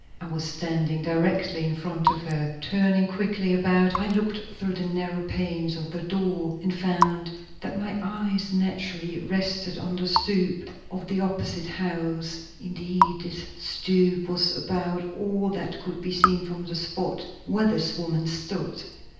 I was standing directly in front of her. Turning quickly about, I looked through the narrow panes of the door, and found that my eyes naturally rested on the stoop of the opposite house. Indeed, this stoop was about all that could be seen from the spot where this woman stood.